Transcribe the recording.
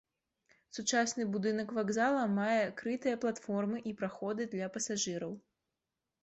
Сучасны будынак вакзала мае крытыя платформы і праходы для пасажыраў.